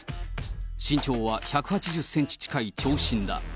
身長は１８０センチ近い長身だ。